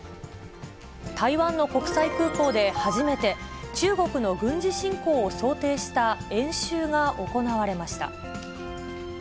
台湾の国際空港で初めて、中国の軍事侵攻を想定した演習が行われました。